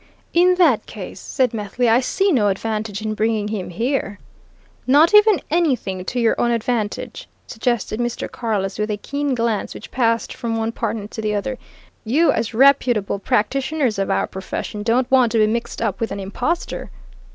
"In that case," said Methley, "I see no advantage in bringing him here." "Not even anything to your own advantage?" suggested Mr. Carless, with a keen glance which passed from one partner to the other. "You, as reputable practitioners of our profession, don't want to be mixed up with an impostor?"